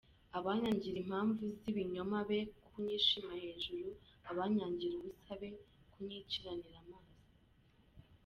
Abanyangira impamvu z’ibinyoma be kunyishima hejuru, Abanyangira ubusa be kunyiciranira amaso.